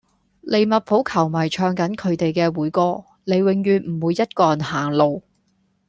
利物浦球迷唱緊佢地既會歌:你永遠唔會一個人行路.